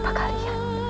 sedang apa kalian